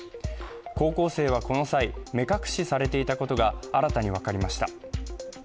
高校生はこの際、目隠しされていたことが新たに分かりました。